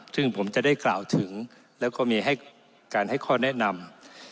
ซึ่งผมจะได้กล่าวถึงแล้วก็มีการให้ข้อแนะนำ